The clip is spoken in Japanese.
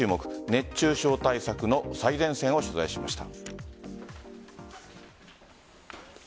熱中症対策の最前線を取材しました。